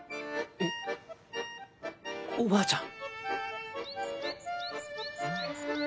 えっおばあちゃん